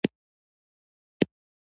مالیکولونه د مایع د ننه ګاز پوکڼۍ جوړوي.